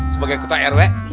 sebagai ketua rw